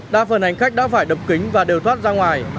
đa phần hành khách đã phải đập kính và đều thoát ra ngoài